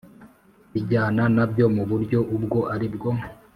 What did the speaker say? bijyana na byo mu buryo ubwo ari bwo